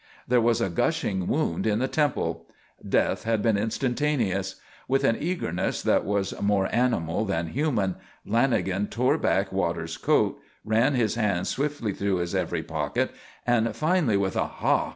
_ There was a gushing wound in the temple. Death had been instantaneous. With an eagerness that was more animal than human, Lanagan tore back Waters' coat, ran his hands swiftly through his every pocket, and finally, with a "_Ha!